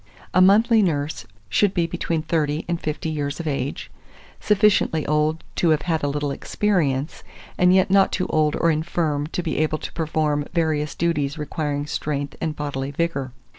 2431. A monthly nurse should be between 30 and 50 years of age, sufficiently old to have had a little experience, and yet not too old or infirm to be able to perform various duties requiring strength and bodily vigour.